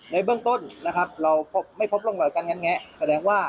ในเบื้องต้นนะครับสแสดงว่าคนร้ายก็มีการเข้าประตูบ้าน